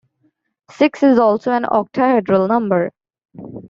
Six is also an octahedral number.